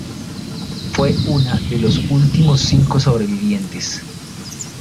Fue una de los últimos cinco sobrevivientes.